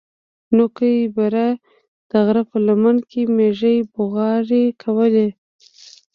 نوکي بره د غره په لمن کښې مېږې بوغارې کولې.